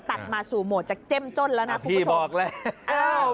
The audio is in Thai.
ตัดมาสู่โหมดจากเจมส์จ้นแล้วนะคุณผู้ชม